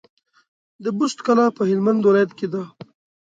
د بُست کلا په هلمند ولايت کي ده